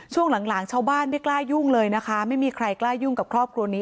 ช่วงหลังชาวบ้านไม่กล้ายุ่งเลยนะคะไม่มีใครกล้ายุ่งกับครอบครัวนี้